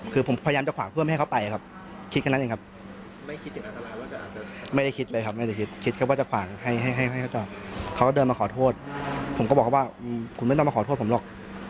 คุณไม่ต้องมาขอโทษผมหรอก